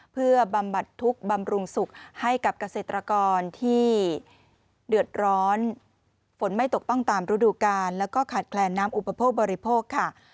เพื่อบำบัดทุกข์บำรุงสุขให้กับเกษตรกรที่เดือดร้อนฝนไม่ตกต้องตามฤดูกาลแล้วก็ขาดแคลนน้ำอุปโภคบริโภคค่ะ